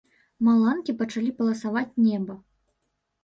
Маланкі пачалі паласаваць неба.